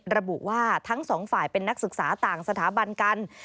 ระบุว่าทั้งสองฝ่ายเป็นนักศึกษาต่างสถาบันกัน